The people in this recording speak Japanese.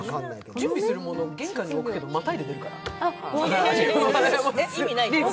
準備するものを玄関に置くけどまたいで行くから。